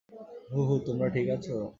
হুহ, হুহ তোমরা ঠিক আছো?